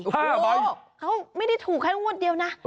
โอ้โหเขาไม่ได้ถูกแค่งวดเดียวนะ